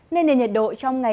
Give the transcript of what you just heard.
nên nền nhiệt độ trong ngày